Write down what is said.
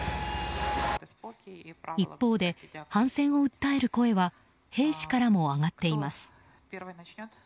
一方で反戦を訴える声は兵士からも上がっています。